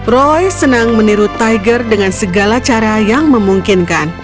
roy senang meniru tiger dengan segala cara yang memungkinkan